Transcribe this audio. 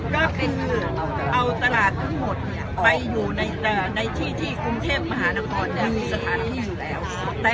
ก็เป็นเอาตลาดทั้งหมดไปอยู่ในที่ที่กรุงเทพมหานครมีสถานที่อยู่แล้ว